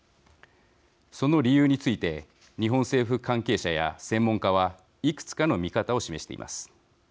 その理由について日本政府関係者や専門家はいくつかの見方を示しています。